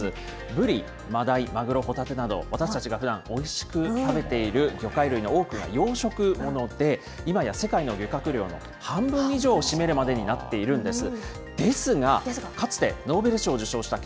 ブリ、マダイ、マグロ、ホタテなど、私たちがふだん、おいしく食べている魚介類の多くが養殖もので、今や世界の漁獲量の半分以上を占めるまでになっているんです。